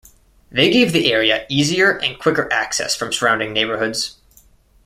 They gave the area easier and quicker access from surrounding neighborhoods.